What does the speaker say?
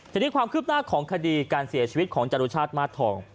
ทีนี้ความคืบหน้าของคดีการเสียชีวิตของจรุชาติมาสทอง